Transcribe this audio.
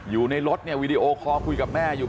อยู่ในรถเนี่ยวีดีโอคอลคุยกับแม่อยู่